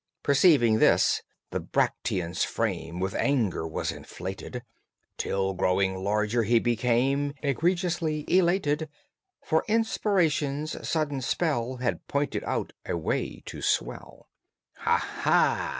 Perceiving this, the bactrian's frame With anger was inflated, Till, growing larger, he became Egregiously elated; For inspiration's sudden spell Had pointed out a way to swell. "Ha! ha!"